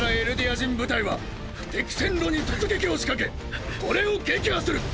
人部隊は敵線路に突撃を仕掛けこれを撃破する！